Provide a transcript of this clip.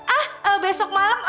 ah besok malam